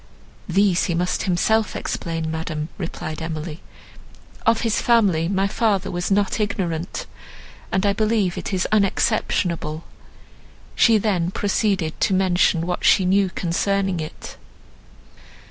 "These he must himself explain, madam," replied Emily. "Of his family my father was not ignorant, and I believe it is unexceptionable." She then proceeded to mention what she knew concerning it.